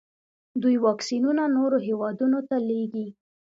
دوی واکسینونه نورو هیوادونو ته لیږي.